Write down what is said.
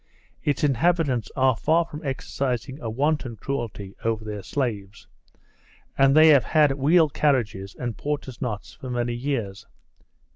Its inhabitants are far from exercising a wanton cruelty over their slaves, and they have had wheel carriages and porters' knots for many years.